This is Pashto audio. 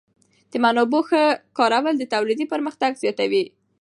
د منابعو ښه کارول د ټولنې پرمختګ زیاتوي.